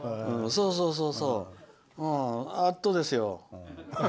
そうそうそう、あっとですよ。